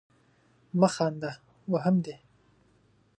مه خانده ! وهم دي.